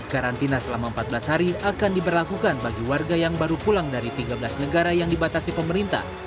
karantina selama empat belas hari akan diberlakukan bagi warga yang baru pulang dari tiga belas negara yang dibatasi pemerintah